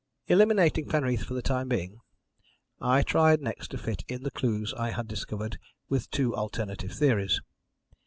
"Eliminating Penreath for the time being, I tried next to fit in the clues I had discovered with two alternative theories.